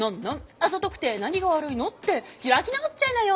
「あざとくて何が悪いの？」って開き直っちゃいなよ。